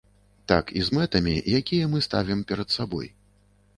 Так і з мэтамі, якія мы ставім перад сабой.